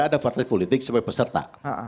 ada partai politik sebagai peserta